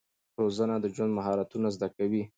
روزنه د ژوند مهارتونه زده کوي.